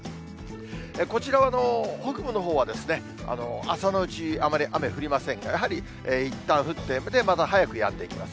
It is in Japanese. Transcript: こちらは北部のほうは、朝のうち、あんまり雨降りませんが、やはりいったん降って、また早くやんでいきます。